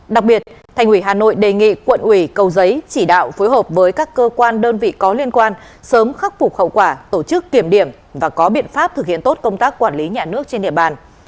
đặc biệt thành ủy hà nội đề nghị quận ủy cầu giấy chỉ đạo phối hợp với các cơ quan đơn vị có liên quan sớm khắc phục khẩu quả tổ chức kiểm điểm và có biện pháp thực hiện tốt công tác quản lý nhà nước trên địa bàn